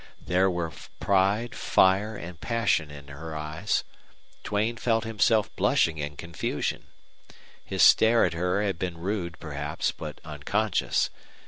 There were pride, fire, and passion in her eyes. Duane felt himself blushing in confusion. His stare at her had been rude, perhaps, but unconscious.